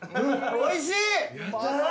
おいしい。